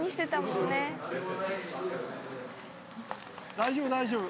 大丈夫大丈夫。